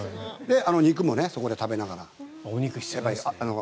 肉もそこで食べながら。